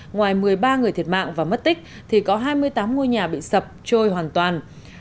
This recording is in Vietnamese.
ngoài một mươi ba người thiệt mạng và mất tích thì có hai mươi tám ngôi nhà bị sập trôi hoàn toàn